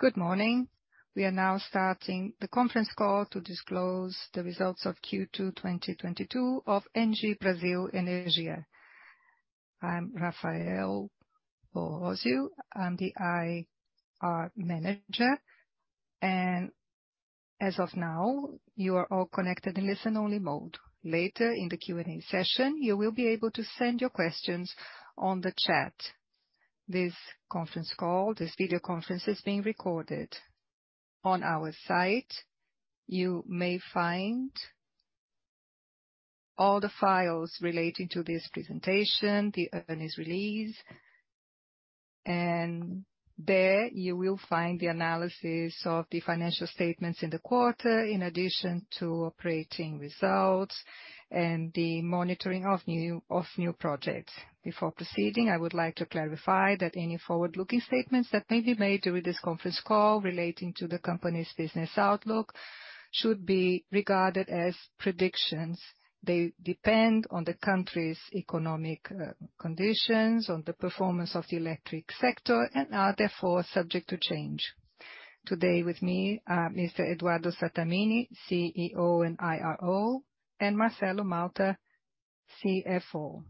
Good morning. We are now starting the conference call to disclose the results of Q2, 2022 of Engie Brasil Energia. I'm Rafael Bósio. I'm the IR manager. As of now, you are all connected in listen only mode. Later in the Q&A session, you will be able to send your questions on the chat. This conference call, this video conference is being recorded. On our site you may find all the files relating to this presentation, the earnings release, and there you will find the analysis of the financial statements in the quarter, in addition to operating results and the monitoring of new projects. Before proceeding, I would like to clarify that any forward-looking statements that may be made during this conference call relating to the company's business outlook should be regarded as predictions. They depend on the country's economic conditions, on the performance of the electric sector and are therefore subject to change. Today with me, Mr. Eduardo Sattamini, CEO and IRO, and Marcelo Malta, CFO.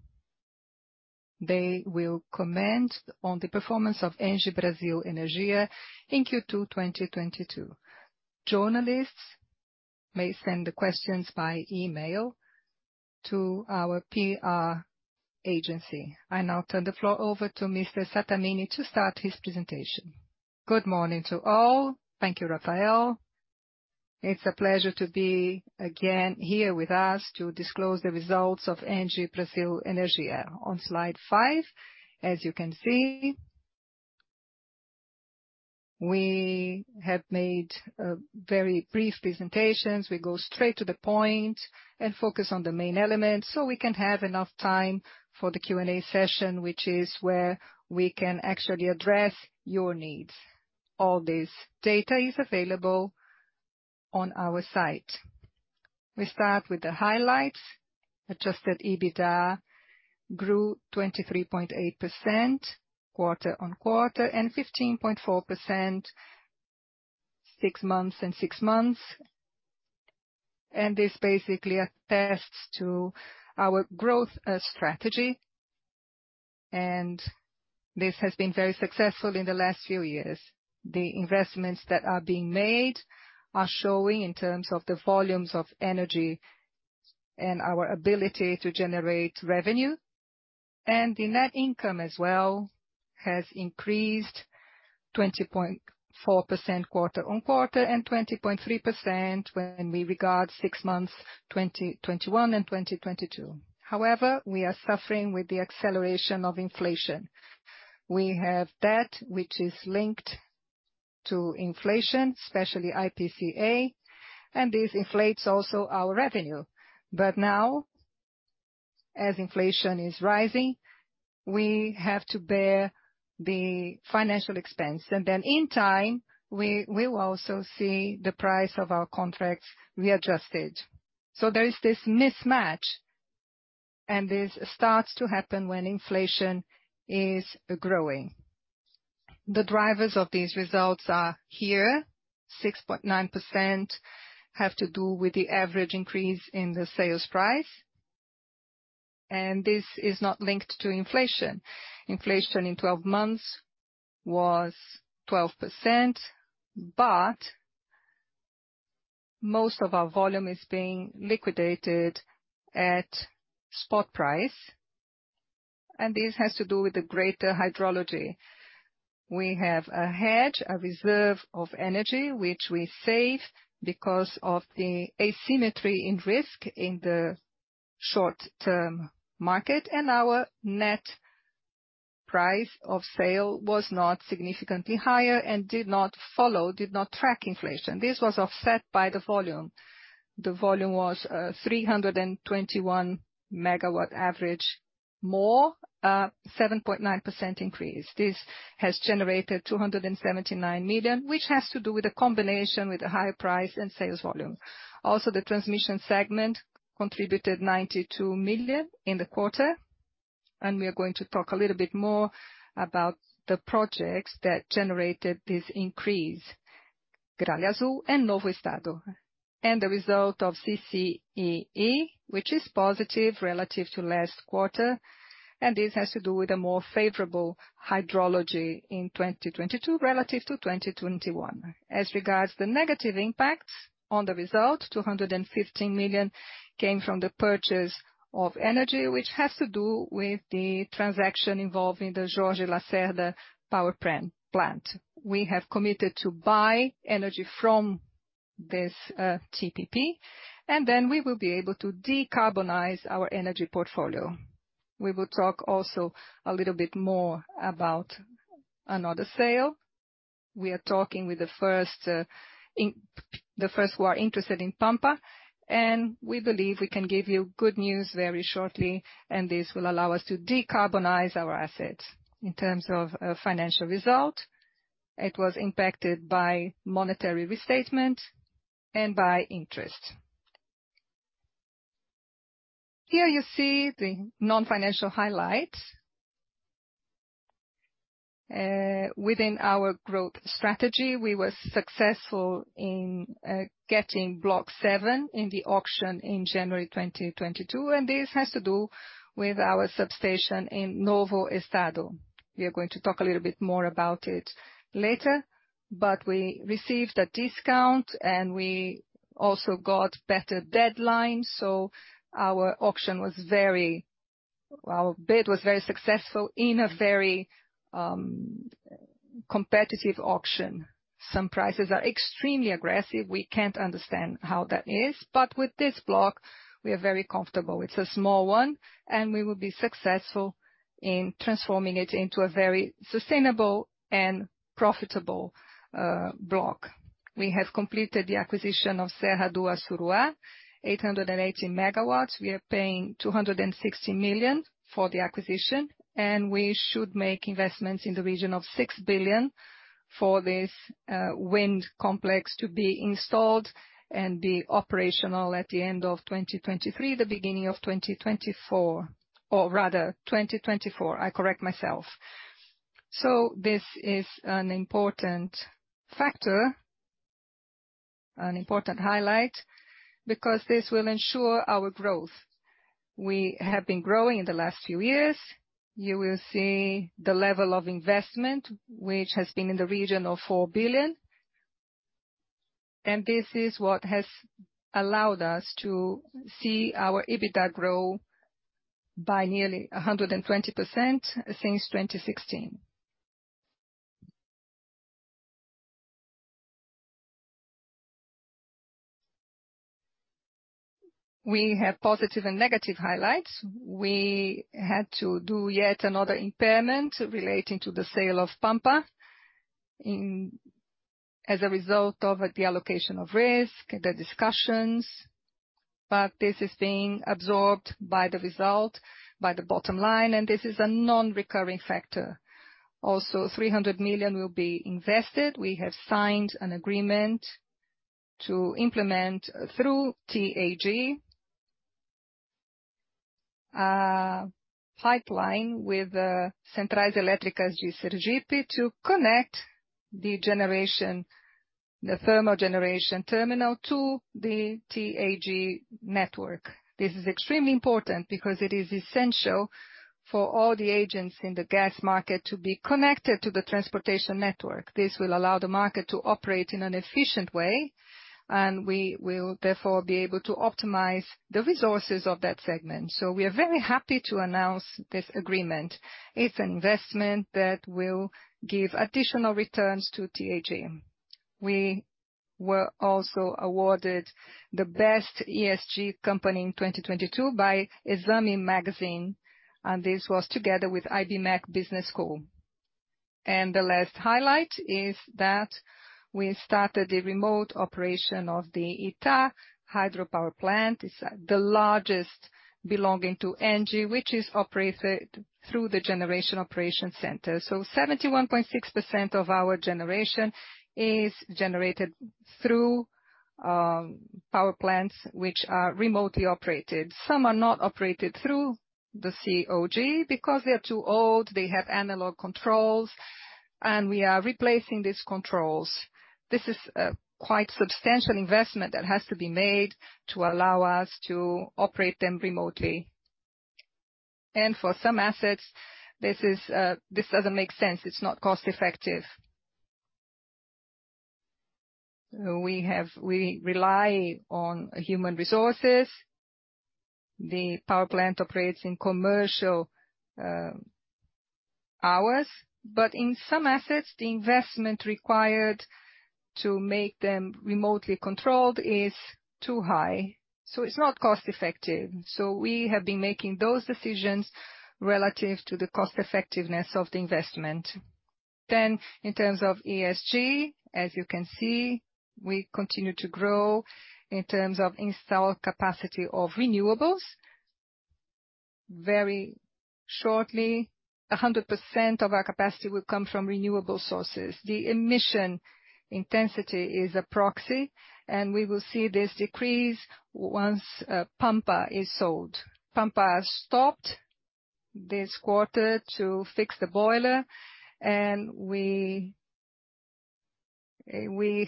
They will comment on the performance of Engie Brasil Energia in Q2 2022. Journalists may send the questions by email to our PR agency. I now turn the floor over to Mr. Sattamini to start his presentation. Good morning to all. Thank you, Rafael. It's a pleasure to be again here with us to disclose the results of Engie Brasil Energia. On slide five, as you can see, we have made a very brief presentations. We go straight to the point and focus on the main elements, so we can have enough time for the Q&A session, which is where we can actually address your needs. All this data is available on our site. We start with the highlights. Adjusted EBITDA grew 23.8% quarter-on-quarter and 15.4% six months and six months. This basically attests to our growth strategy. This has been very successful in the last few years. The investments that are being made are showing in terms of the volumes of energy and our ability to generate revenue. The net income as well has increased 20.4% quarter-on-quarter and 20.3% when we regard six months, 2021 and 2022. However, we are suffering with the acceleration of inflation. We have debt which is linked to inflation, especially IPCA, and this inflates also our revenue. Now, as inflation is rising, we have to bear the financial expense, and then in time we will also see the price of our contracts readjusted. There is this mismatch, and this starts to happen when inflation is growing. The drivers of these results are here. 6.9% have to do with the average increase in the sales price, and this is not linked to inflation. Inflation in 12 months was 12%, but most of our volume is being liquidated at spot price, and this has to do with the greater hydrology. We have a hedge, a reserve of energy which we save because of the asymmetry in risk in the short-term market. Our net price of sale was not significantly higher and did not track inflation. This was offset by the volume. The volume was 321 MW average more 7.9% increase. This has generated 279 million, which has to do with a combination with a higher price and sales volume. Also, the transmission segment contributed 92 million in the quarter. We are going to talk a little bit more about the projects that generated this increase, Gralha Azul and Novo Estado, and the result of CCEE, which is positive relative to last quarter. This has to do with a more favorable hydrology in 2022 relative to 2021. As regards the negative impacts on the result, 215 million came from the purchase of energy, which has to do with the transaction involving the Jorge Lacerda Thermoelectric Complex. We have committed to buy energy from this TPP, and then we will be able to decarbonize our energy portfolio. We will talk also a little bit more about another sale. We are talking with the first who are interested in Pampa, and we believe we can give you good news very shortly. This will allow us to decarbonize our assets. In terms of financial result, it was impacted by monetary restatement and by interest. Here you see the non-financial highlights. Within our growth strategy, we were successful in getting block 7 in the auction in January 2022, and this has to do with our substation in Novo Estado. We are going to talk a little bit more about it later. We received a discount, and we also got better deadlines, so our bid was very successful in a very competitive auction. Some prices are extremely aggressive. We can't understand how that is. With this block, we are very comfortable. It's a small one. We will be successful in transforming it into a very sustainable and profitable block. We have completed the acquisition of Serra do Assuruá, 880 MW. We are paying 260 million for the acquisition, and we should make investments in the region of 6 billion for this wind complex to be installed and be operational at the end of 2023, the beginning of 2024. Or rather, 2024. I correct myself. This is an important factor, an important highlight, because this will ensure our growth. We have been growing in the last few years. You will see the level of investment, which has been in the region of 4 billion. This is what has allowed us to see our EBITDA grow by nearly 120% since 2016. We have positive and negative highlights. We had to do yet another impairment relating to the sale of Pampa as a result of the allocation of risk, the discussions, but this is being absorbed by the result, by the bottom line, and this is a non-recurring factor. Also, 300 million will be invested. We have signed an agreement to implement through TAG pipeline with Centrais Elétricas de Sergipe to connect the generation, the thermal generation terminal to the TAG network. This is extremely important because it is essential for all the agents in the gas market to be connected to the transportation network. This will allow the market to operate in an efficient way, and we will therefore be able to optimize the resources of that segment. We are very happy to announce this agreement. It's investment that will give additional returns to TAG. We were also awarded the best ESG company in 2022 by Exame magazine, and this was together with Ibmec Business School. The last highlight is that we started the remote operation of the Itá hydropower plant. It's the largest belonging to ENGIE, which is operated through the Generation Operation Center. Seventy-one point six percent of our generation is generated through power plants, which are remotely operated. Some are not operated through the GOC because they are too old, they have analog controls, and we are replacing these controls. This is a quite substantial investment that has to be made to allow us to operate them remotely. For some assets, this is, this doesn't make sense. It's not cost effective. We rely on human resources. The power plant operates in commercial hours. In some assets, the investment required to make them remotely controlled is too high. It's not cost effective. We have been making those decisions relative to the cost effectiveness of the investment. In terms of ESG, as you can see, we continue to grow in terms of installed capacity of renewables. Very shortly, 100% of our capacity will come from renewable sources. The emission intensity is a proxy, and we will see this decrease once Pampa is sold. Pampa has stopped this quarter to fix the boiler, and we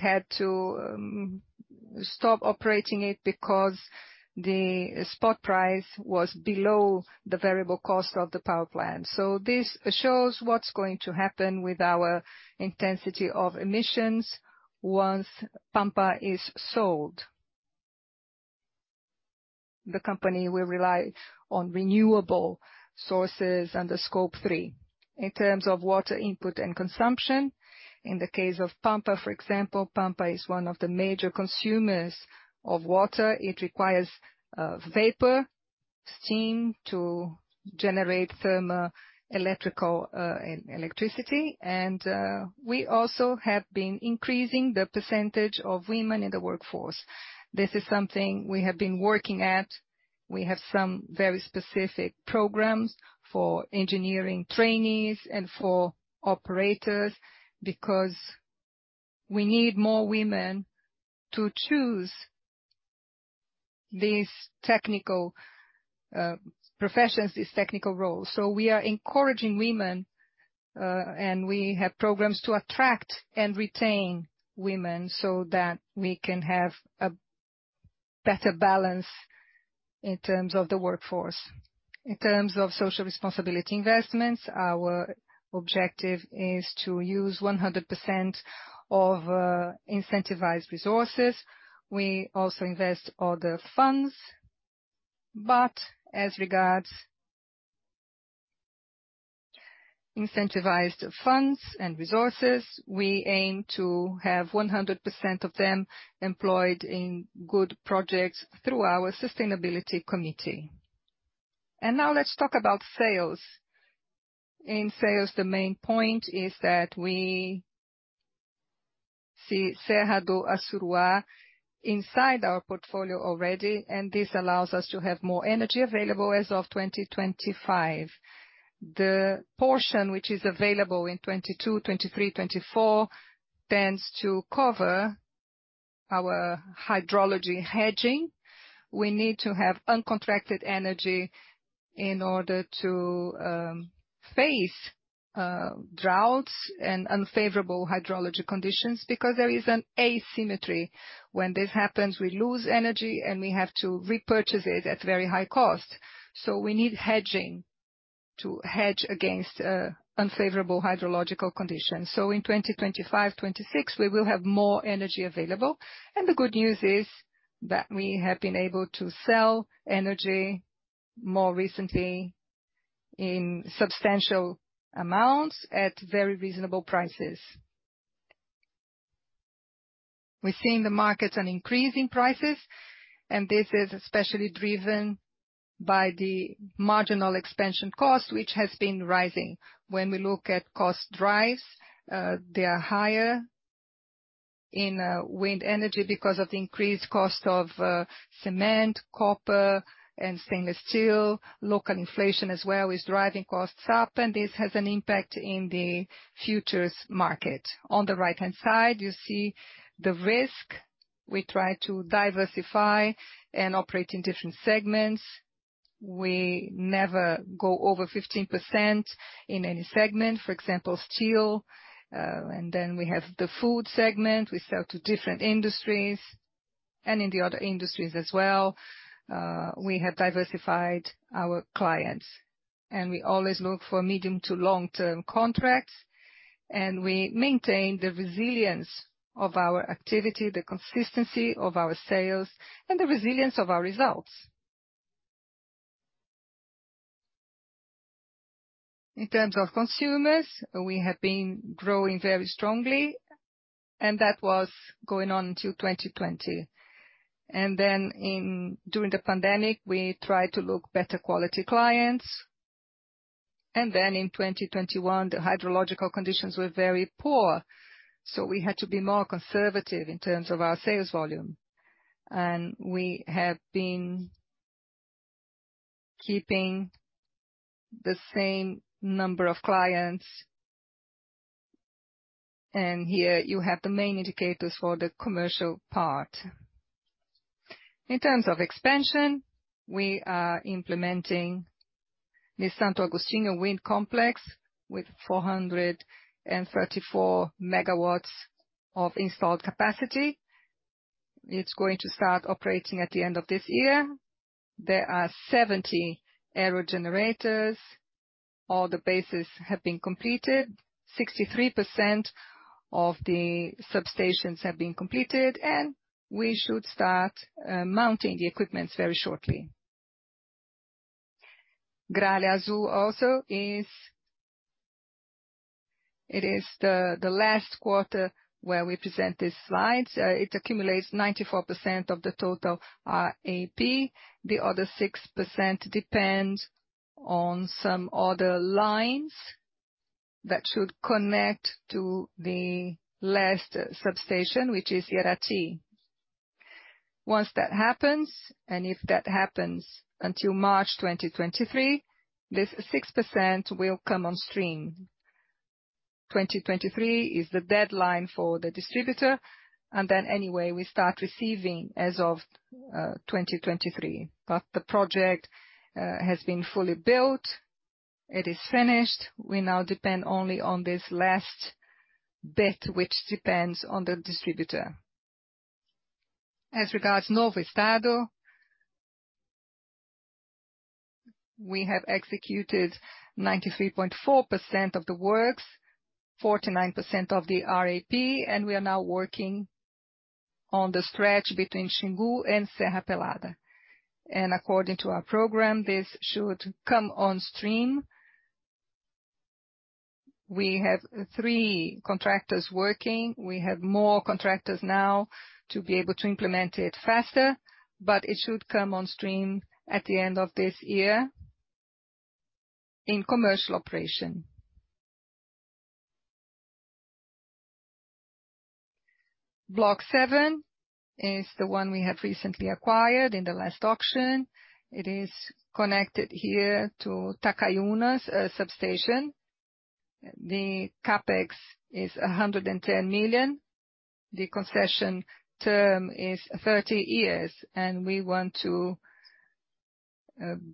had to stop operating it because the spot price was below the variable cost of the power plant. This shows what's going to happen with our intensity of emissions once Pampa is sold. The company will rely on renewable sources under scope three. In terms of water input and consumption, in the case of Pampa, for example, Pampa is one of the major consumers of water. It requires vapor, steam to generate thermal electrical electricity. We also have been increasing the percentage of women in the workforce. This is something we have been working at. We have some very specific programs for engineering trainees and for operators, because we need more women to choose these technical professions, these technical roles. We are encouraging women, and we have programs to attract and retain women so that we can have a better balance in terms of the workforce. In terms of social responsibility investments, our objective is to use 100% of incentivized resources. We also invest other funds. As regards incentivized funds and resources, we aim to have 100% of them employed in good projects through our sustainability committee. Now let's talk about sales. In sales, the main point is that we see Serra do Assuruá inside our portfolio already, and this allows us to have more energy available as of 2025. The portion which is available in 2022, 2023, 2024 tends to cover our hydrology hedging. We need to have uncontracted energy in order to face droughts and unfavorable hydrology conditions because there is an asymmetry. When this happens, we lose energy, and we have to repurchase it at very high cost. We need hedging to hedge against unfavorable hydrological conditions. In 2025, 2026, we will have more energy available. The good news is that we have been able to sell energy more recently in substantial amounts at very reasonable prices. We're seeing the market on increasing prices, and this is especially driven by the marginal expansion cost, which has been rising. When we look at cost drives, they are higher in wind energy because of the increased cost of cement, copper and stainless steel. Local inflation as well is driving costs up, and this has an impact in the futures market. On the right-hand side, you see the risk. We try to diversify and operate in different segments. We never go over 15% in any segment. For example, steel, and then we have the food segment. We sell to different industries. In the other industries as well, we have diversified our clients. We always look for medium to long-term contracts, and we maintain the resilience of our activity, the consistency of our sales, and the resilience of our results. In terms of consumers, we have been growing very strongly, and that was going on until 2020. During the pandemic, we tried to look for better quality clients. In 2021, the hydrological conditions were very poor, so we had to be more conservative in terms of our sales volume. We have been keeping the same number of clients. Here you have the main indicators for the commercial part. In terms of expansion, we are implementing the Santo Agostinho wind complex with 434 megawatts of installed capacity. It's going to start operating at the end of this year. There are 70 aerogenerators. All the bases have been completed. 63% of the substations have been completed. We should start mounting the equipment very shortly. Gralha Azul is the last quarter where we present these slides. It accumulates 94% of the total RAP. The other 6% depends on some other lines that should connect to the last substation, which is Jirau. Once that happens, and if that happens until March 2023, this 6% will come on stream. 2023 is the deadline for the distributor, and then anyway, we start receiving as of 2023. The project has been fully built. It is finished. We now depend only on this last bit, which depends on the distributor. As regards Novo Estado, we have executed 93.4% of the works, 49% of the RAP, and we are now working on the stretch between Xingu and Serra Pelada. According to our program, this should come on stream. We have three contractors working. We have more contractors now to be able to implement it faster, but it should come on stream at the end of this year in commercial operation. Block seven is the one we have recently acquired in the last auction. It is connected here to Tacaiunas substation. The CapEx is 110 million. The concession term is 30 years, and we want to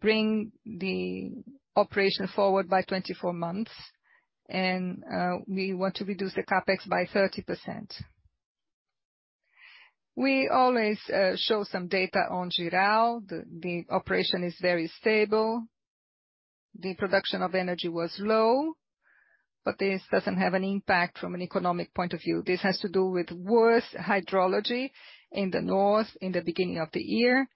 bring the operation forward by 24 months and we want to reduce the CapEx by 30%. We always show some data on Jirau. The operation is very stable. The production of energy was low, but this doesn't have an impact from an economic point of view. This has to do with worse hydrology in the north in the beginning of the year.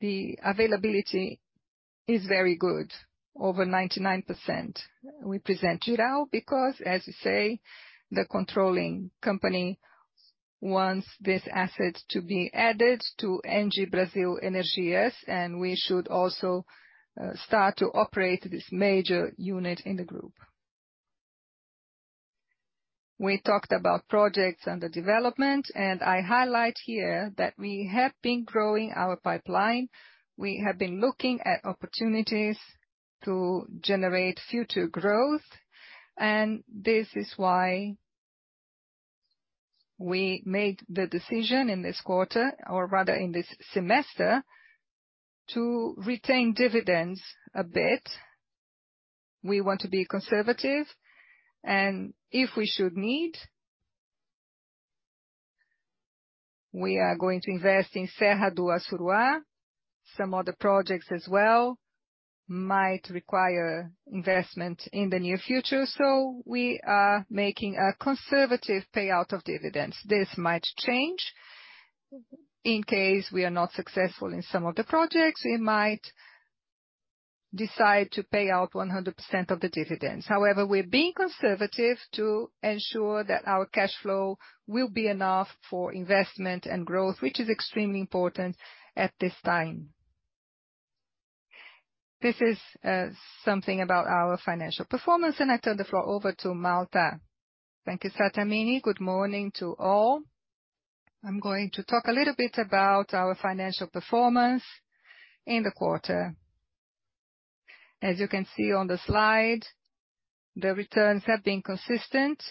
The availability is very good, over 99%. We present Jirau because, as we say, the controlling company wants this asset to be added to Engie Brasil Energia, and we should also start to operate this major unit in the group. We talked about projects under development, and I highlight here that we have been growing our pipeline. We have been looking at opportunities to generate future growth, and this is why we made the decision in this quarter, or rather, in this semester, to retain dividends a bit. We want to be conservative, and if we should need, we are going to invest in Serra do Assuruá. Some other projects as well might require investment in the near future, so we are making a conservative payout of dividends. This might change. In case we are not successful in some of the projects, we might decide to pay out 100% of the dividends. However, we're being conservative to ensure that our cashflow will be enough for investment and growth, which is extremely important at this time. This is something about our financial performance, and I turn the floor over to Malta. Thank you, Sattamini. Good morning to all. I'm going to talk a little bit about our financial performance in the quarter. As you can see on the slide, the returns have been consistent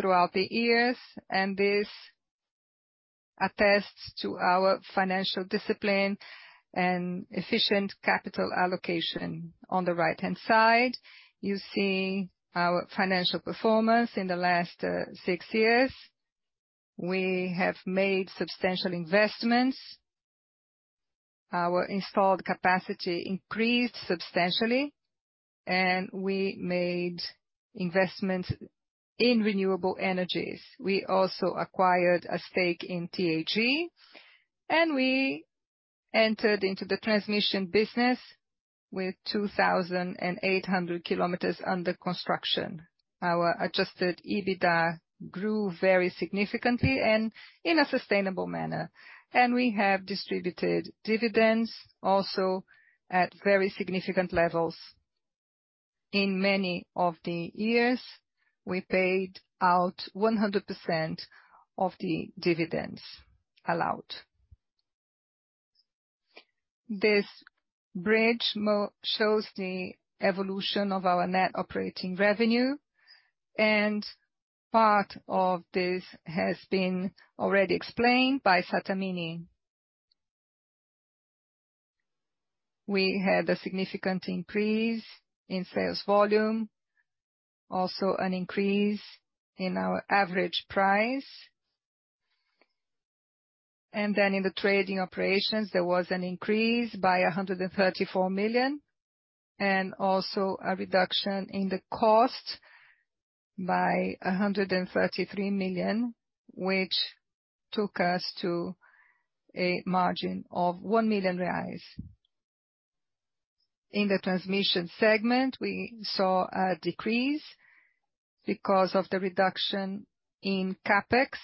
throughout the years, and this attests to our financial discipline and efficient capital allocation. On the right-hand side, you see our financial performance in the last six years. We have made substantial investments. Our installed capacity increased substantially, and we made investments in renewable energies. We also acquired a stake in TAG, and we entered into the transmission business with 2,800 kilometers under construction. Our adjusted EBITDA grew very significantly and in a sustainable manner. We have distributed dividends also at very significant levels. In many of the years, we paid out 100% of the dividends allowed. This bridge shows the evolution of our net operating revenue, and part of this has been already explained by Sattamini. We had a significant increase in sales volume, also an increase in our average price. In the trading operations, there was an increase by 134 million, and also a reduction in the cost by 133 million, which took us to a margin of 1 million reais. In the transmission segment, we saw a decrease because of the reduction in CapEx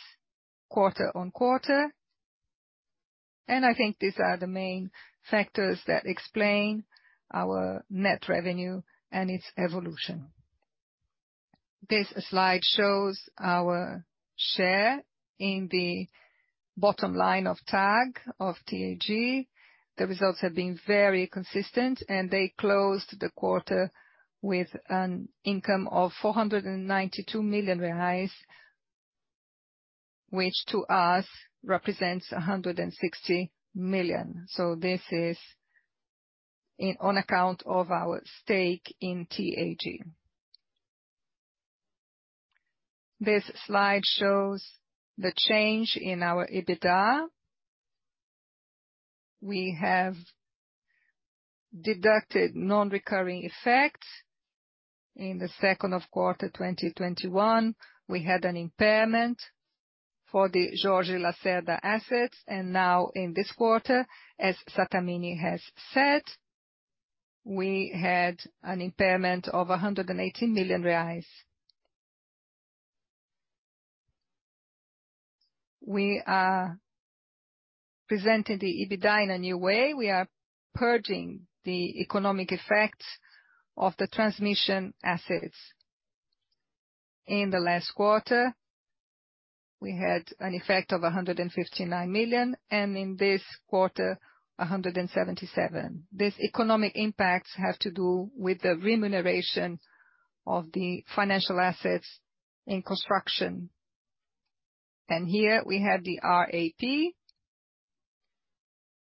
quarter-over-quarter. I think these are the main factors that explain our net revenue and its evolution. This slide shows our share in the bottom line of TAG, of T-A-G. The results have been very consistent, and they closed the quarter with an income of 492 million reais, which to us represents 160 million. This is in, on account of our stake in TAG. This slide shows the change in our EBITDA. We have deducted non-recurring effects. In Q2 of 2021, we had an impairment for the Jorge Lacerda assets. Now in this quarter, as Sattamini has said, we had an impairment of 180 million reais. We are presenting the EBITDA in a new way. We are purging the economic effects of the transmission assets. In the last quarter, we had an effect of 159 million, and in this quarter, 177 million. These economic impacts have to do with the remuneration of the financial assets in construction. Here we have the RAP,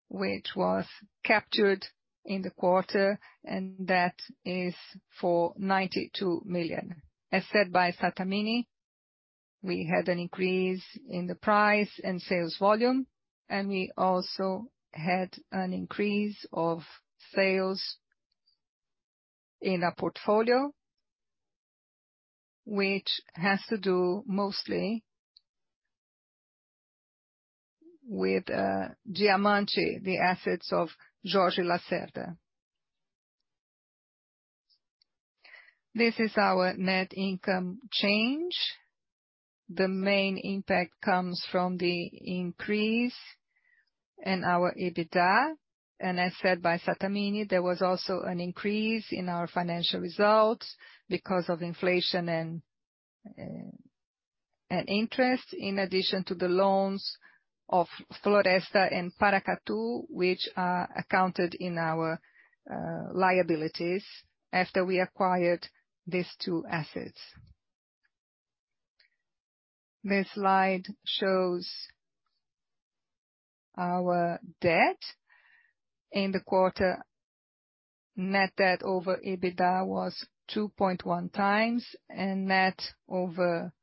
which was captured in the quarter, and that is for 92 million. As said by Sattamini, we had an increase in the price and sales volume, and we also had an increase of sales in our portfolio, which has to do mostly with Diamante, the assets of Jorge Lacerda. This is our net income change. The main impact comes from the increase in our EBITDA. As said by Sattamini, there was also an increase in our financial results because of inflation and interest, in addition to the loans of Floresta and Paracatu, which are accounted in our liabilities after we acquired these two assets. This slide shows our debt. In the quarter, net debt over EBITDA was 2.1 times, and net over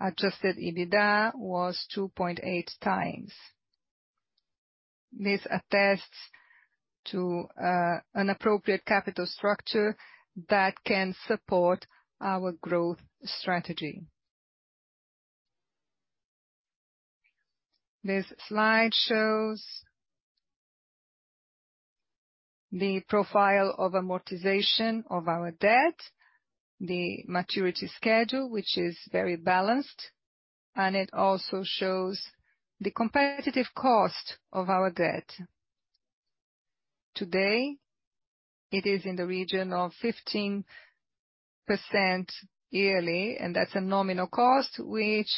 adjusted EBITDA was 2.8 times. This attests to an appropriate capital structure that can support our growth strategy. This slide shows the profile of amortization of our debt, the maturity schedule, which is very balanced, and it also shows the competitive cost of our debt. Today, it is in the region of 15% yearly, and that's a nominal cost, which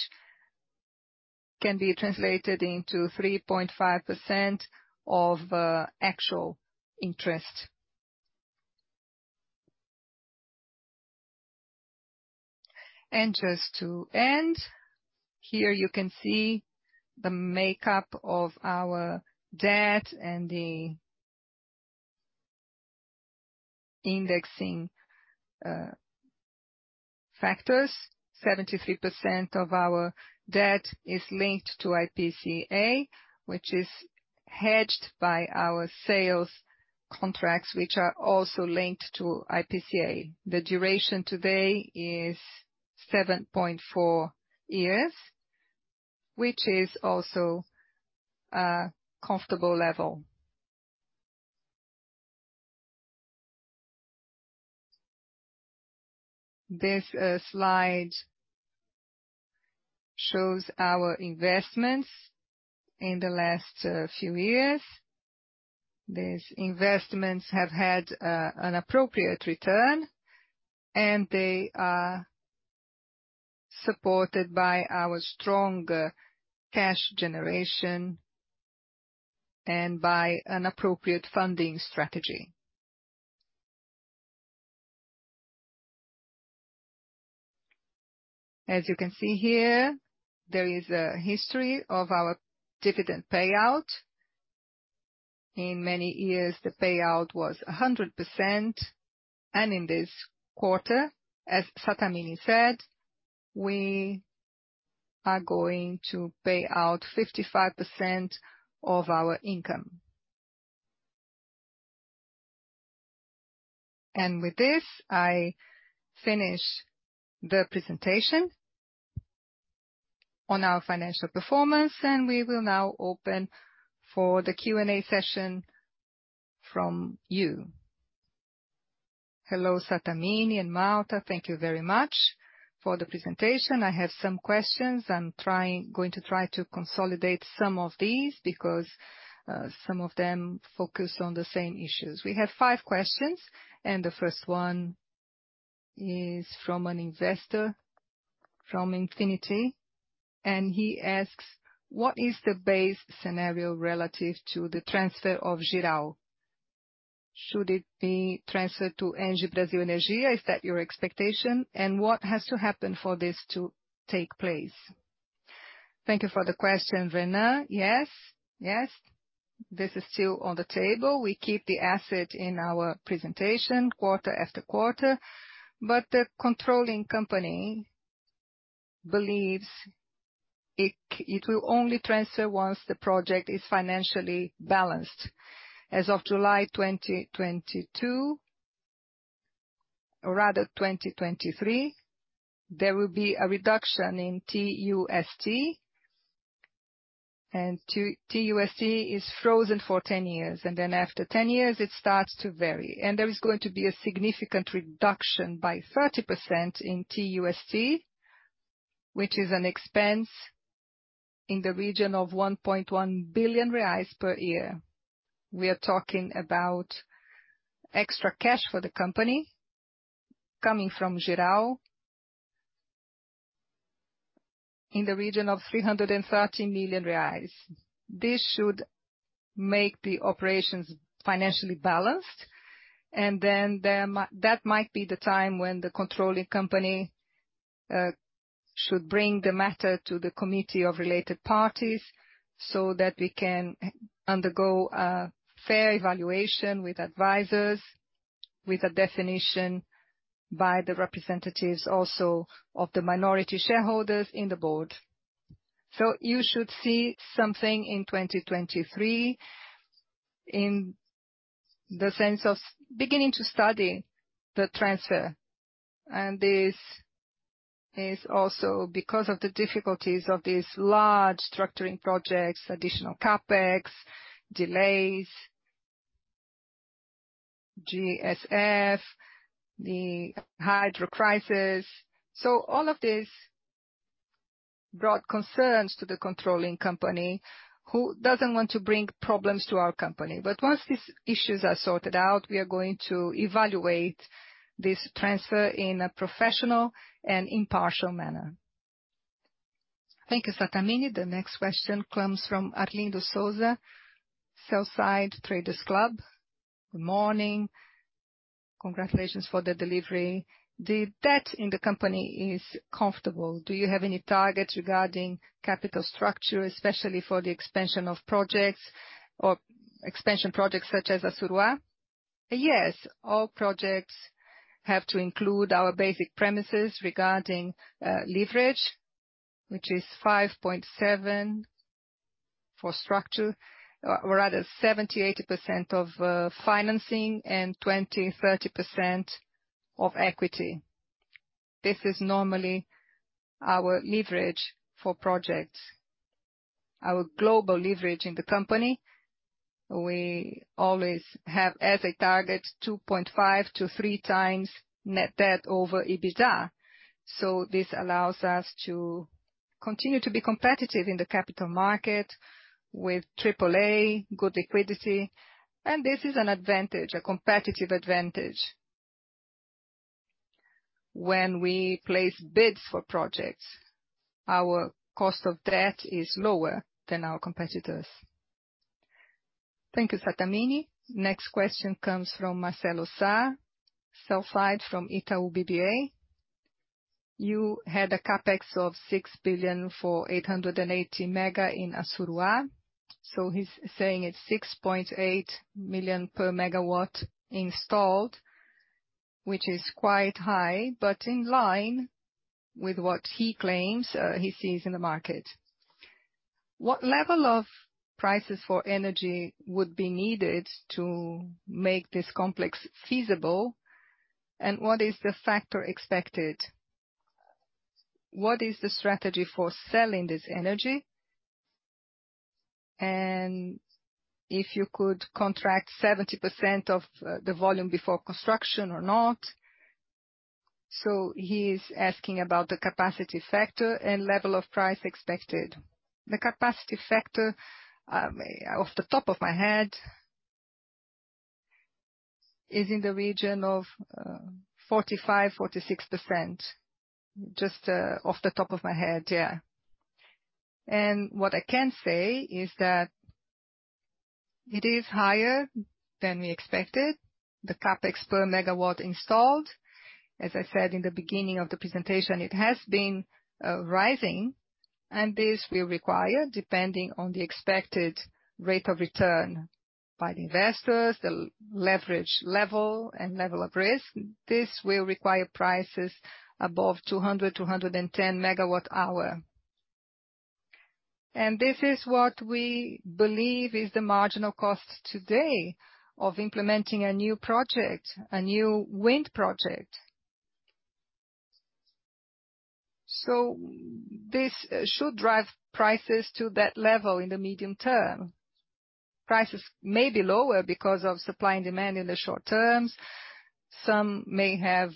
can be translated into 3.5% of actual interest. Just to end, here you can see the makeup of our debt and the indexing factors. 73% of our debt is linked to IPCA, which is hedged by our sales contracts, which are also linked to IPCA. The duration today is 7.4 years, which is also a comfortable level. This slide shows our investments in the last few years. These investments have had an appropriate return, and they are supported by our strong cash generation and by an appropriate funding strategy. As you can see here, there is a history of our dividend payout. In many years, the payout was 100%. In this quarter, as Sattamini said, we are going to pay out 55% of our income. With this, I finish the presentation on our financial performance, and we will now open for the Q&A session from you. Hello, Sattamini and Malta. Thank you very much for the presentation. I have some questions. I'm going to try to consolidate some of these because, some of them focus on the same issues. We have five questions, and the first one is from an investor from Infinity, and he asks. What is the base scenario relative to the transfer of Jirau? Should it be transferred to Engie Brasil Energia? Is that your expectation? And what has to happen for this to take place? Thank you for the question, Vernon. Yes. This is still on the table. We keep the asset in our presentation quarter after quarter. The controlling company believes it will only transfer once the project is financially balanced. As of July 2022, or rather 2023, there will be a reduction in TUST. TUST is frozen for 10 years, and then after 10 years it starts to vary. There is going to be a significant reduction by 30% in TUST, which is an expense in the region of 1.1 billion reais per year. We are talking about extra cash for the company coming from Jirau in the region of 330 million reais. This should make the operations financially balanced, and then there might be the time when the controlling company should bring the matter to the committee of related parties so that we can undergo a fair evaluation with advisors, with a definition by the representatives also of the minority shareholders in the board. You should see something in 2023 in the sense of beginning to study the transfer. This is also because of the difficulties of these large structuring projects, additional CapEx, delays, GSF, the hydro crisis. All of this brought concerns to the controlling company, who doesn't want to bring problems to our company. Once these issues are sorted out, we are going to evaluate this transfer in a professional and impartial manner. Thank you, Sattamini. The next question comes from Arlindo Souza, sell-side Traders Club. Good morning. Congratulations for the delivery. The debt in the company is comfortable. Do you have any targets regarding capital structure, especially for the expansion of projects or expansion projects such as Assuruá? Yes, all projects have to include our basic premises regarding leverage, which is 5.7 for structure or rather 70%-80% of financing and 20%-30% of equity. This is normally our leverage for projects. Our global leverage in the company, we always have as a target 2.5-3 times net debt over EBITDA. This allows us to continue to be competitive in the capital market with triple-A, good liquidity. This is an advantage, a competitive advantage. When we place bids for projects, our cost of debt is lower than our competitors. Thank you, Sattamini. Next question comes from Marcelo Sá, Sell Side from Itaú BBA. You had a CapEx of 6 billion for 880 MW in Assuruá. He's saying it's 6.8 million per megawatt installed, which is quite high, but in line with what he claims he sees in the market. What level of prices for energy would be needed to make this complex feasible, and what is the factor expected? What is the strategy for selling this energy? If you could contract 70% of the volume before construction or not. He is asking about the capacity factor and level of price expected. The capacity factor, off the top of my head is in the region of 45%-46%. Just off the top of my head, yeah. What I can say is that it is higher than we expected. The CapEx per megawatt installed, as I said in the beginning of the presentation, it has been rising and this will require, depending on the expected rate of return by the investors, the leverage level and level of risk, this will require prices above 200-210 megawatt hour. This is what we believe is the marginal cost today of implementing a new project, a new wind project. This should drive prices to that level in the medium term. Prices may be lower because of supply and demand in the short terms. Some may have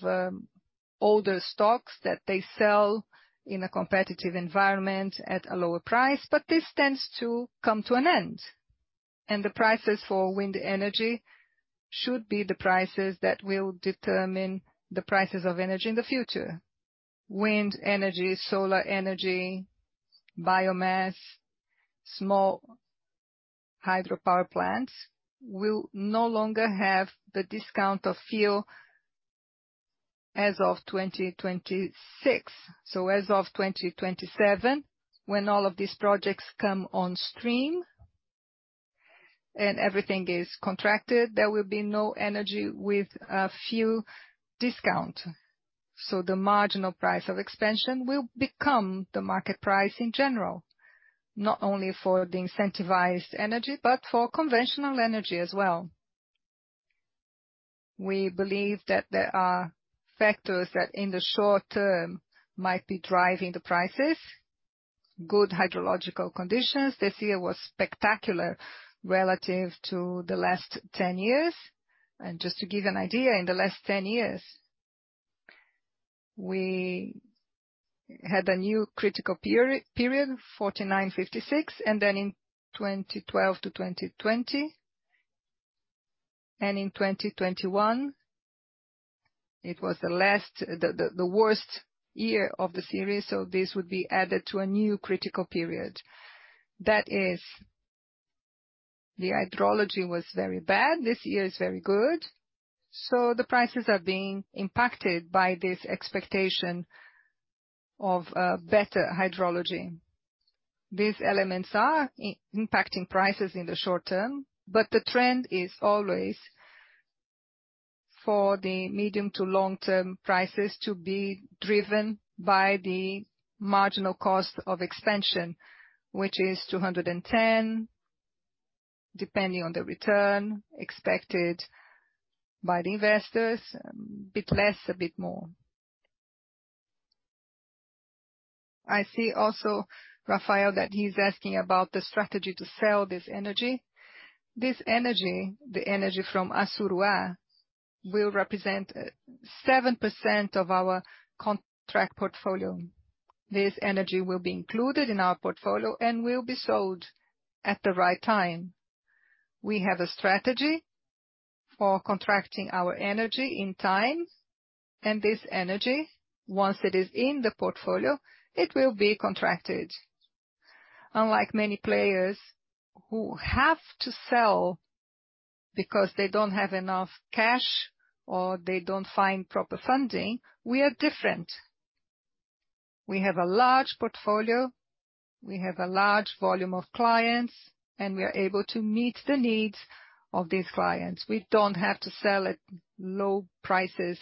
older stocks that they sell in a competitive environment at a lower price, but this tends to come to an end. The prices for wind energy should be the prices that will determine the prices of energy in the future. Wind energy, solar energy, biomass, small hydropower plants will no longer have the discount of fuel as of 2026. As of 2027, when all of these projects come on stream and everything is contracted, there will be no energy with a few discount. The marginal price of expansion will become the market price in general, not only for the incentivized energy, but for conventional energy as well. We believe that there are factors that in the short term might be driving the prices. Good hydrological conditions. This year was spectacular relative to the last 10 years. Just to give you an idea, in the last 10 years, we had a new critical period, 49, 56, and then in 2012-2020, and in 2021, it was the worst year of the series, this would be added to a new critical period. That is, the hydrology was very bad. This year is very good. The prices are being impacted by this expectation of better hydrology. These elements are impacting prices in the short term, but the trend is always for the medium to long-term prices to be driven by the marginal cost of expansion, which is 210, depending on the return expected by the investors. A bit less, a bit more. I see also Rafael, that he's asking about the strategy to sell this energy. This energy, the energy from Assuruá, will represent 7% of our contract portfolio. This energy will be included in our portfolio and will be sold at the right time. We have a strategy for contracting our energy in time, and this energy, once it is in the portfolio, it will be contracted. Unlike many players who have to sell because they don't have enough cash or they don't find proper funding, we are different. We have a large portfolio, we have a large volume of clients, and we are able to meet the needs of these clients. We don't have to sell at low prices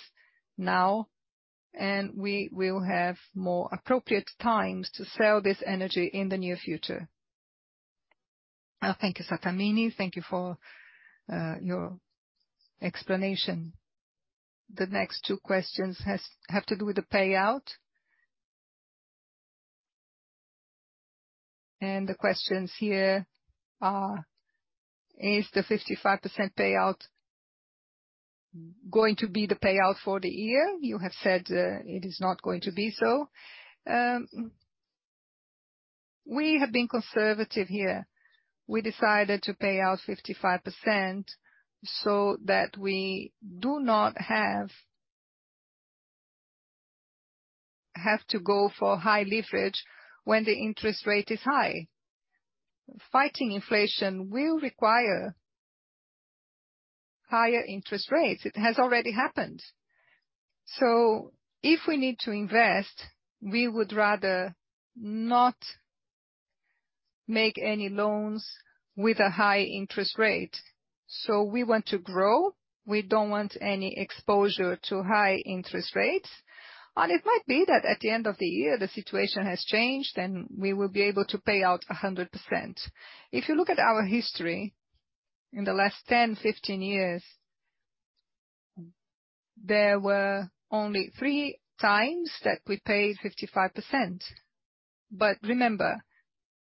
now, and we will have more appropriate times to sell this energy in the near future. Thank you, Sattamini. Thank you for your explanation. The next two questions have to do with the payout. The questions here are: Is the 55% payout going to be the payout for the year? You have said, it is not going to be so. We have been conservative here. We decided to pay out 55% so that we do not have to go for high leverage when the interest rate is high. Fighting inflation will require higher interest rates. It has already happened. If we need to invest, we would rather not make any loans with a high interest rate. We want to grow, we don't want any exposure to high interest rates. It might be that at the end of the year, the situation has changed and we will be able to pay out 100%. If you look at our history, in the last 10, 15 years, there were only three times that we paid 55%. But remember,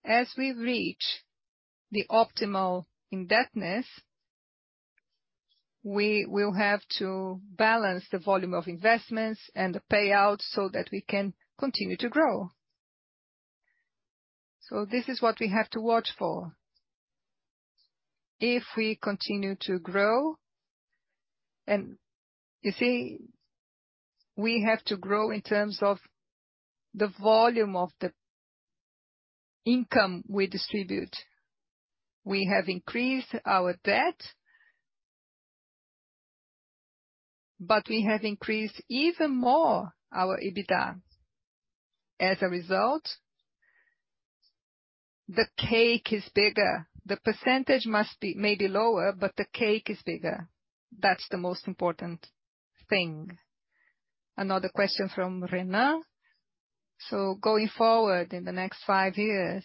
as we reach the optimal indebtedness, we will have to balance the volume of investments and the payout so that we can continue to grow. This is what we have to watch for. If we continue to grow. You see, we have to grow in terms of the volume of the income we distribute. We have increased our debt, but we have increased even more our EBITDA. As a result, the cake is bigger. The percentage must be maybe lower, but the cake is bigger. That's the most important thing. Another question from Rena. Going forward in the next five years,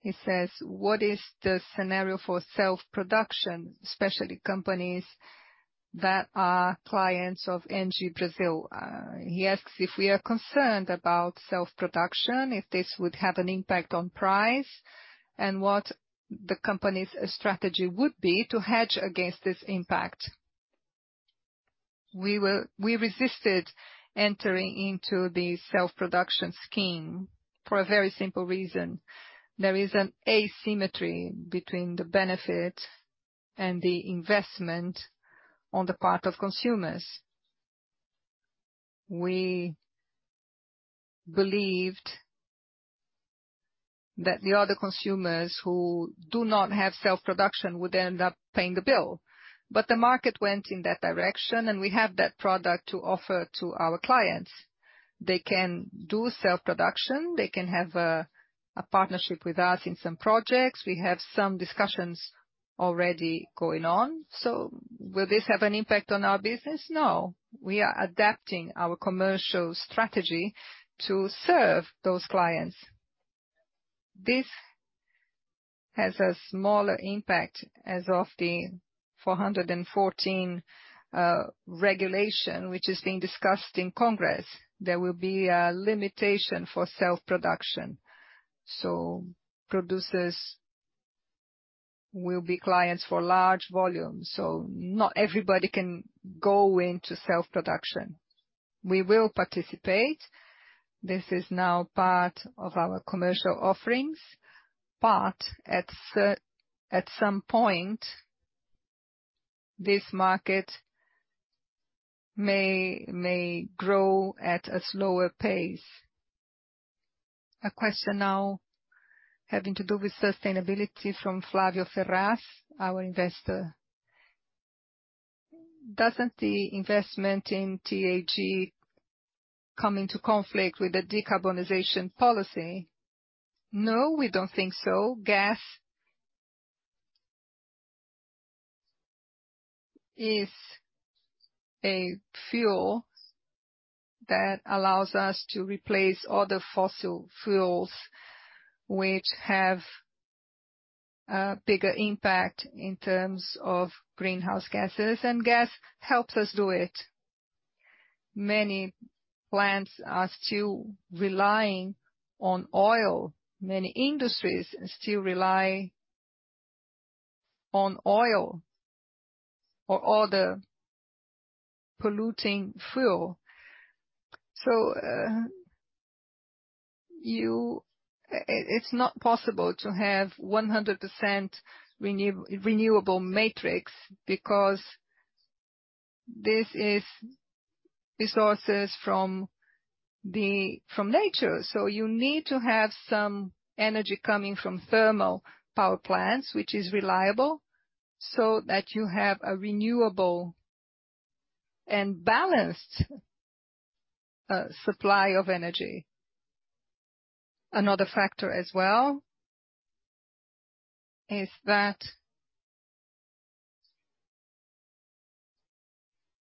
he says, "What is the scenario for self-production, especially companies that are clients of Engie Brasil?" He asks if we are concerned about self-production, if this would have an impact on price, and what the company's strategy would be to hedge against this impact. We resisted entering into the self-production scheme for a very simple reason. There is an asymmetry between the benefit and the investment on the part of consumers. We believed that the other consumers who do not have self-production would end up paying the bill. The market went in that direction, and we have that product to offer to our clients. They can do self-production, they can have a partnership with us in some projects. We have some discussions already going on. Will this have an impact on our business? No. We are adapting our commercial strategy to serve those clients. This has a smaller impact as of the 414 regulation which is being discussed in Congress. There will be a limitation for self-production. Producers will be clients for large volumes. Not everybody can go into self-production. We will participate. This is now part of our commercial offerings. At some point, this market may grow at a slower pace. A question now having to do with sustainability from Flavio Ferraz, our investor. Doesn't the investment in TAG come into conflict with the decarbonization policy? No, we don't think so. Gas is a fuel that allows us to replace other fossil fuels which have a bigger impact in terms of greenhouse gases, and gas helps us do it. Many plants are still relying on oil. Many industries still rely on oil or other polluting fuel. It's not possible to have 100% renewable matrix because this is resources from nature. You need to have some energy coming from thermal power plants, which is reliable, so that you have a renewable and balanced supply of energy. Another factor as well is that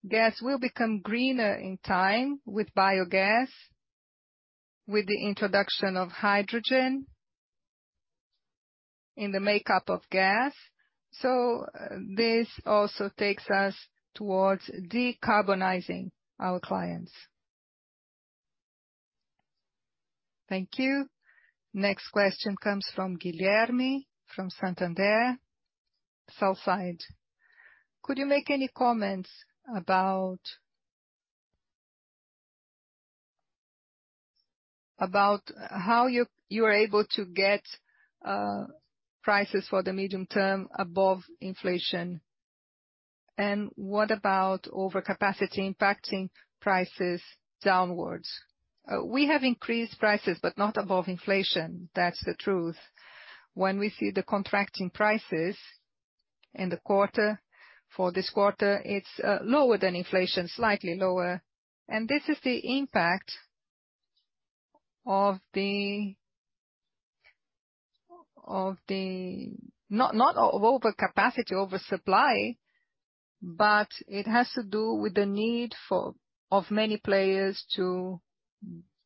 gas will become greener in time with biogas, with the introduction of hydrogen in the makeup of gas. This also takes us towards decarbonizing our clients. Thank you. Next question comes from Guilherme from Santander Sell Side. Could you make any comments about how you're able to get prices for the medium term above inflation? And what about overcapacity impacting prices downwards? We have increased prices, but not above inflation. That's the truth. When we see the contracting prices in the quarter, for this quarter, it's lower than inflation, slightly lower. This is the impact of the not overcapacity, oversupply, but it has to do with the need of many players to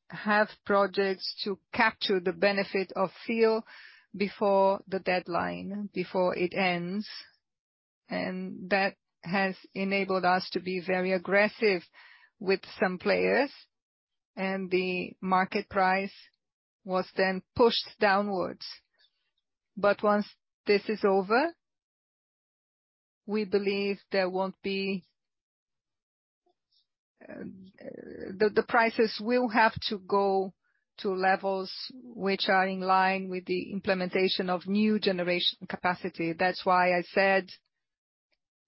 have projects to capture the benefit of fuel before the deadline, before it ends. That has enabled us to be very aggressive with some players, and the market price was then pushed downwards. Once this is over, we believe there won't be. The prices will have to go to levels which are in line with the implementation of new generation capacity. That's why I said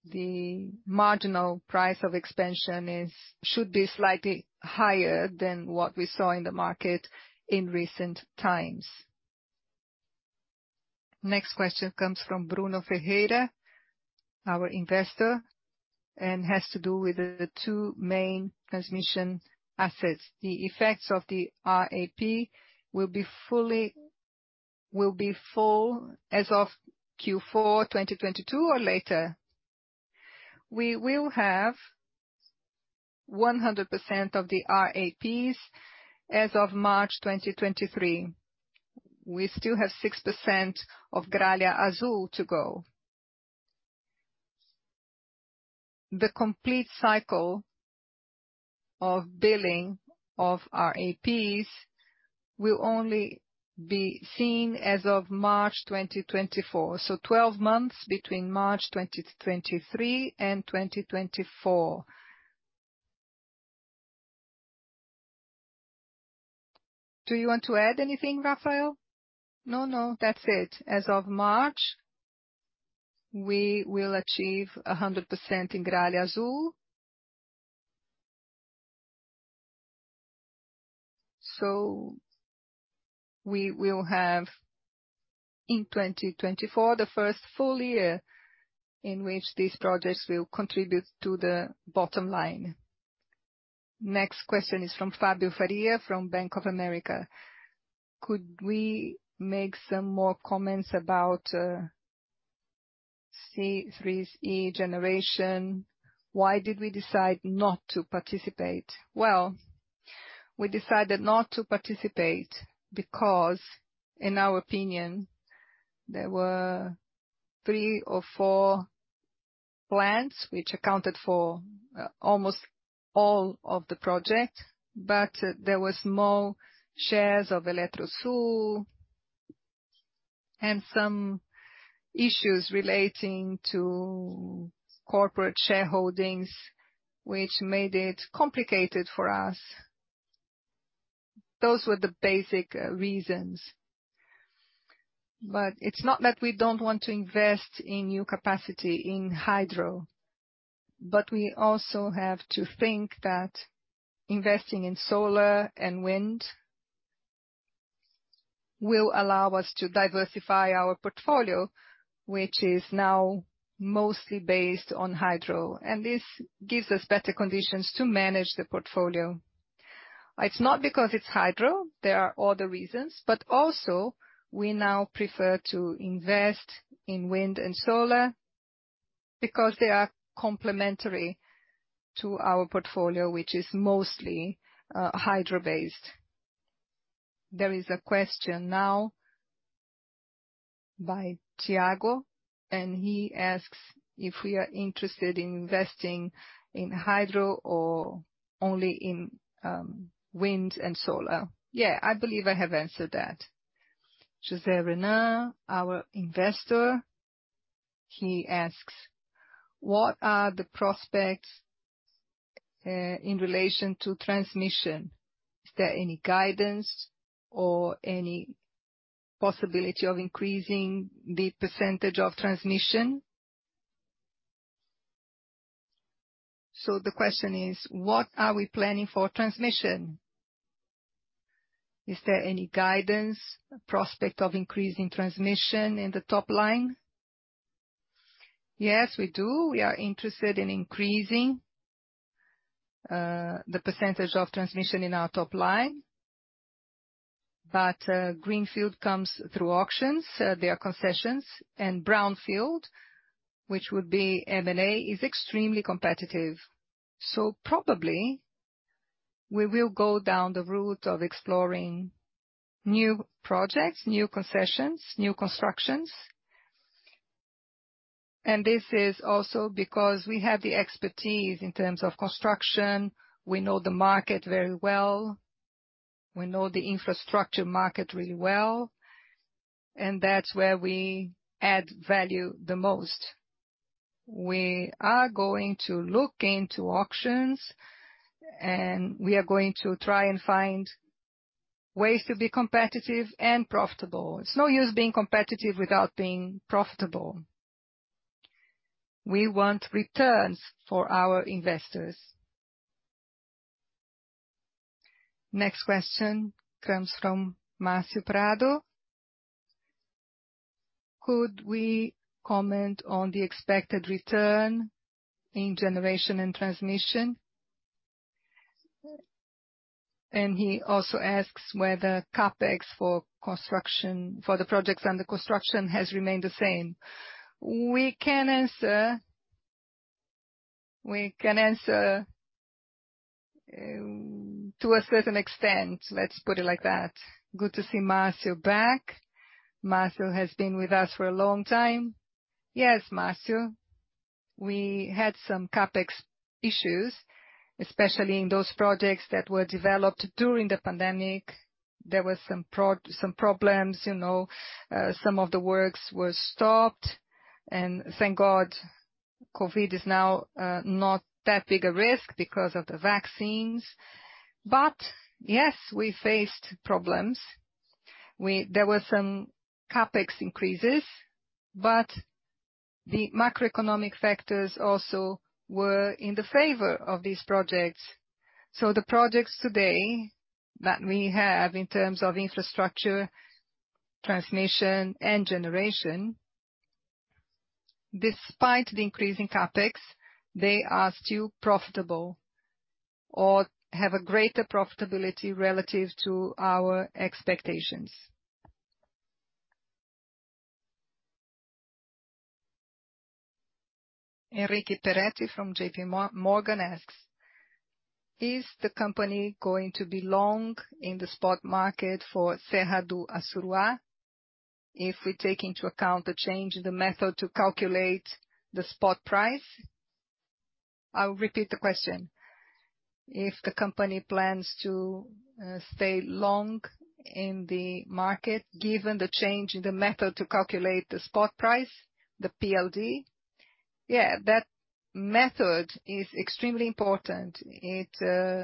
the marginal price of expansion should be slightly higher than what we saw in the market in recent times. Next question comes from Bruno Ferreira, our investor, and has to do with the two main transmission assets. The effects of the RAP will be full as of Q4 2022 or later. We will have 100% of the RAPs as of March 2023. We still have 6% of Gralha Azul to go. The complete cycle of billing of RAPs will only be seen as of March 2024. Twelve months between March 2023 and 2024. Do you want to add anything, Rafael? No, that's it. As of March, we will achieve 100% in Gralha Azul. We will have in 2024, the first full year in which these projects will contribute to the bottom line. Next question is from Fabio Faria from Bank of America. Could we make some more comments about CCEE generation. Why did we decide not to participate? Well, we decided not to participate because in our opinion, there were three or four plans which accounted for almost all of the project. There was small shares of Eletrosul and some issues relating to corporate shareholdings, which made it complicated for us. Those were the basic reasons. It's not that we don't want to invest in new capacity in hydro, but we also have to think that investing in solar and wind will allow us to diversify our portfolio, which is now mostly based on hydro, and this gives us better conditions to manage the portfolio. It's not because it's hydro, there are other reasons. Also, we now prefer to invest in wind and solar because they are complementary to our portfolio, which is mostly hydro-based. There is a question now by Tiago, and he asks if we are interested in investing in hydro or only in wind and solar. Yeah, I believe I have answered that. José Renato, our investor, he asks, "What are the prospects in relation to transmission? Is there any guidance or any possibility of increasing the percentage of transmission?" The question is, what are we planning for transmission? Is there any guidance, prospect of increasing transmission in the top line? Yes, we do. We are interested in increasing the percentage of transmission in our top line. Greenfield comes through auctions, there concessions and brownfield, which would be M&A, is extremely competitive. Probably we will go down the route of exploring new projects, new concessions, new constructions. This is also because we have the expertise in terms of construction. We know the market very well. We know the infrastructure market really well, and that's where we add value the most. We are going to look into auctions, and we are going to try and find ways to be competitive and profitable. It's no use being competitive without being profitable. We want returns for our investors. Next question comes from Márcio Prado. Could we comment on the expected return in generation and transmission? He also asks whether CapEx for construction, for the projects under construction has remained the same. We can answer to a certain extent, let's put it like that. Good to see Márcio back. Márcio has been with us for a long time. Yes, Márcio. We had some CapEx issues, especially in those projects that were developed during the pandemic. There were some problems, you know, some of the works were stopped. Thank God COVID is now not that big a risk because of the vaccines. Yes, we faced problems. There were some CapEx increases, but the macroeconomic factors also were in the favor of these projects. The projects today that we have in terms of infrastructure, transmission and generation, despite the increase in CapEx, they are still profitable or have a greater profitability relative to our expectations. Henrique Peretti from JPMorgan asks, "Is the company going to be long in the spot market for Serra do Assuruá if we take into account the change in the method to calculate the spot price?" I'll repeat the question. If the company plans to stay long in the market given the change in the method to calculate the spot price, the PLD. Yeah, that method is extremely important. It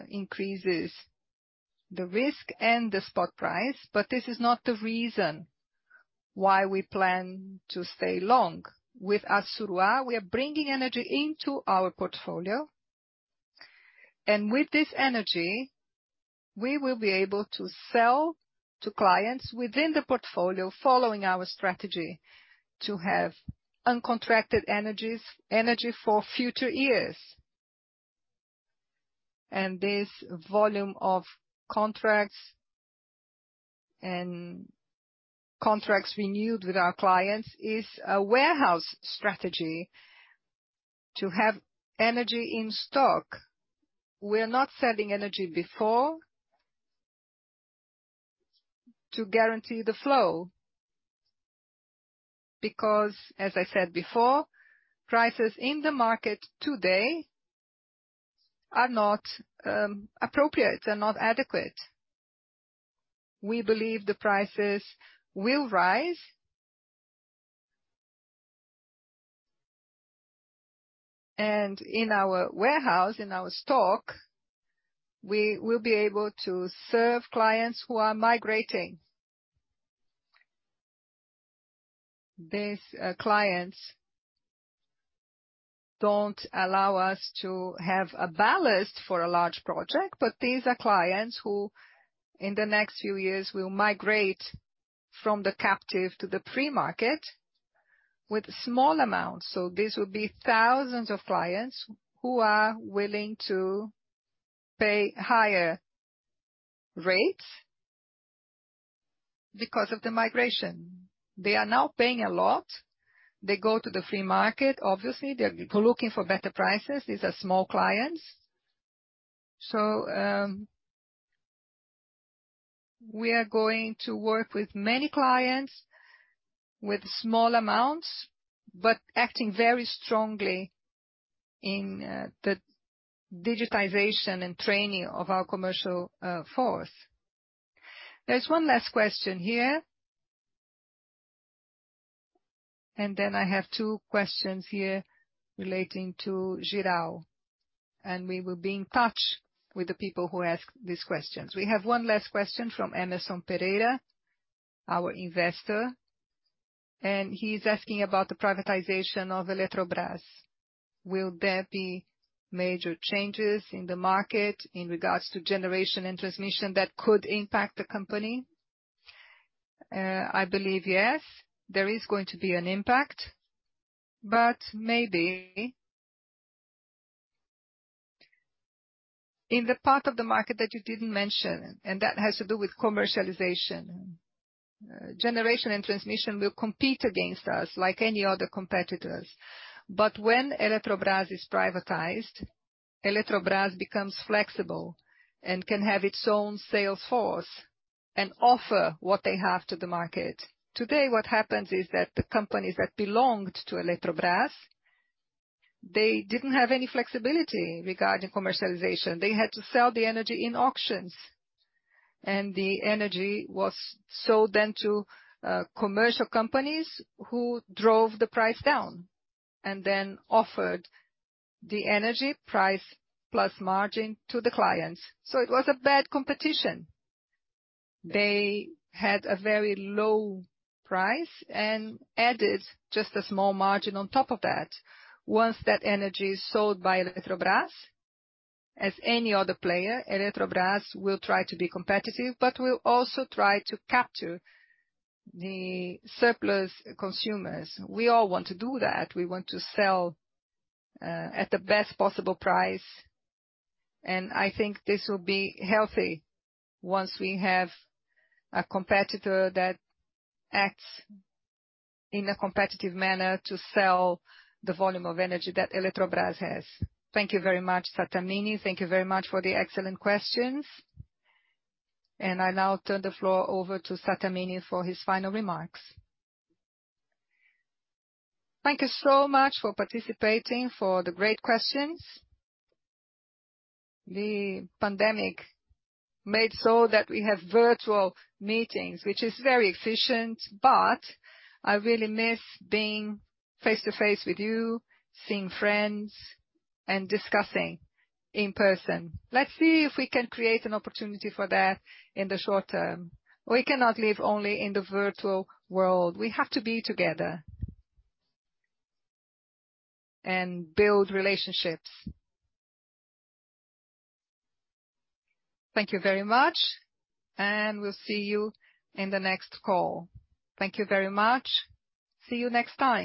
increases the risk and the spot price, but this is not the reason why we plan to stay long. With Assuruá, we are bringing energy into our portfolio. With this energy, we will be able to sell to clients within the portfolio following our strategy to have uncontracted energy for future years. This volume of contracts and contracts renewed with our clients is a warehouse strategy to have energy in stock. We're not selling energy before to guarantee the flow because as I said before, prices in the market today are not appropriate. They're not adequate. We believe the prices will rise. In our warehouse, in our stock, we will be able to serve clients who are migrating. These clients don't allow us to have a ballast for a large project, but these are clients who, in the next few years, will migrate from the captive to the free market with small amounts. These will be thousands of clients who are willing to pay higher rates because of the migration. They are now paying a lot. They go to the free market. Obviously, they're looking for better prices. These are small clients. We are going to work with many clients with small amounts, but acting very strongly in the digitization and training of our commercial force. There's one last question here. Then I have two questions here relating to Geral, and we will be in touch with the people who ask these questions. We have one last question from Emerson Pereira, our investor, and he's asking about the privatization of Eletrobras. Will there be major changes in the market in regards to generation and transmission that could impact the company? I believe yes, there is going to be an impact, but maybe in the part of the market that you didn't mention, and that has to do with commercialization. Generation and transmission will compete against us like any other competitors. When Eletrobras is privatized, Eletrobras becomes flexible and can have its own sales force and offer what they have to the market. Today, what happens is that the companies that belonged to Eletrobras, they didn't have any flexibility regarding commercialization. They had to sell the energy in auctions, and the energy was sold then to commercial companies who drove the price down and then offered the energy price plus margin to the clients. It was a bad competition. They had a very low price and added just a small margin on top of that. Once that energy is sold by Eletrobras, as any other player, Eletrobras will try to be competitive but will also try to capture the surplus consumers. We all want to do that. We want to sell at the best possible price, and I think this will be healthy once we have a competitor that acts in a competitive manner to sell the volume of energy that Eletrobras has. Thank you very much, Sattamini. Thank you very much for the excellent questions. I now turn the floor over to Sattamini for his final remarks. Thank you so much for participating, for the great questions. The pandemic made so that we have virtual meetings, which is very efficient, but I really miss being face-to-face with you, seeing friends, and discussing in person. Let's see if we can create an opportunity for that in the short term. We cannot live only in the virtual world. We have to be together and build relationships. Thank you very much, and we'll see you in the next call. Thank you very much. See you next time.